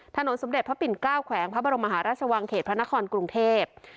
ถนนสมเด็จพระปิ่นเกล้าแขวงพระบรมมหาราชวังเขตพระนครกรุงเทพ